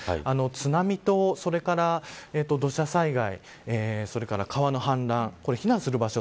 津波と、それから土砂災害それから川の氾濫避難する場所